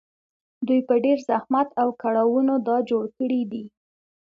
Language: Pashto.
دوی په ډېر زحمت او کړاوونو دا جوړ کړي دي